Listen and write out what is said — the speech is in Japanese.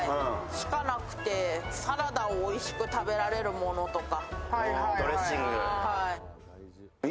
サラダをおいしく食べられるものとか。